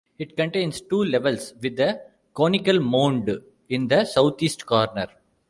It contains two levels, with a conical mound in the southeast corner.